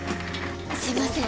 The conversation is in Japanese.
すいません